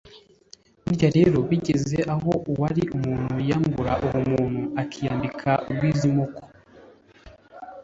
Burya rero iyo bigeze aho uwari umuntu yiyambura ubumuntu akiyambika urw’izimoka